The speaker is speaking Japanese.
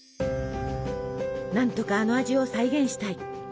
何とかあの味を再現したい。